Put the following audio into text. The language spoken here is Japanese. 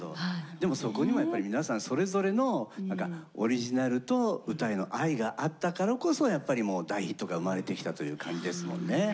でもそこにもやっぱり皆さんそれぞれのなんかオリジナルと歌への愛があったからこそやっぱり大ヒットが生まれてきたという感じですもんね。